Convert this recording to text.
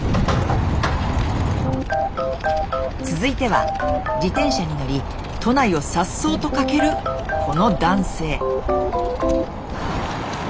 続いては自転車に乗り都内を颯爽と駆けるこの男性。